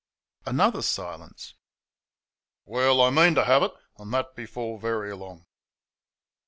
Another silence. "Well, I mean to have it, and that before very long."